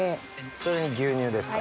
それに牛乳ですか。